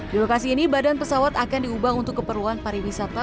di lokasi ini badan pesawat akan diubah untuk keperluan pariwisata